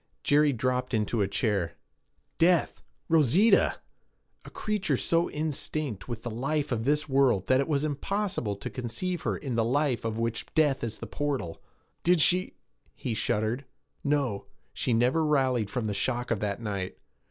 Jerry dropped into a chair. Death! Rosita! a creature so instinct with the life of this world that it was impossible to conceive her in the life of which death is the portal. 'Did she ' He shuddered. 'No! She never rallied from the shock of that night.